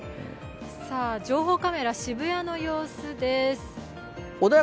情報カメラ、渋谷の様子です。